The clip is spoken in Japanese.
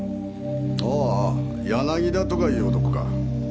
ああああ柳田とかいう男か？